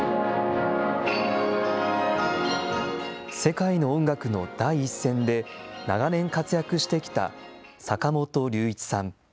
世界の音楽の第一線で長年活躍してきた坂本龍一さん。